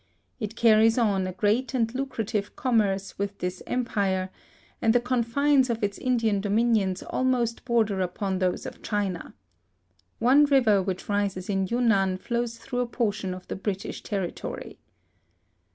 It carries on a great and lucrative commerce with this Empire, and the confines of its Indian dominions almost border upon those of China. One river which rises in Yun nan flows through a portion of the British territory.